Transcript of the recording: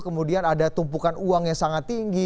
kemudian ada tumpukan uang yang sangat tinggi